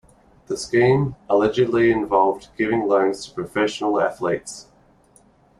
The scheme allegedly involved giving loans to professional athletes.